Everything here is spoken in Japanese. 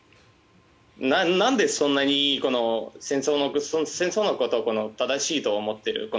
何でそんなに、この戦争のことを正しいと思っている。